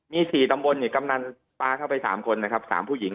มี๔ตำบลกำนันปลาเข้าไป๓คนนะครับ๓ผู้หญิง